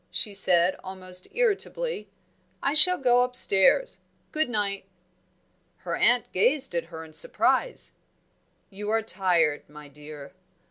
she said, almost irritably. "I shall go upstairs. Good night!" Her aunt gazed at her in surprise. "You are tired, my dear."